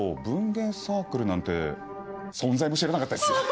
文芸サークルなんて存在も知らなかったです。